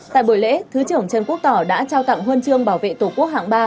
tại buổi lễ thứ trưởng trần quốc tỏ đã trao tặng huôn trương bảo vệ tổ quốc hạng ba